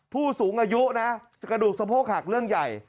ผู้สูงอายุนะกระดูกสะโพกหักเรื่องใหญ่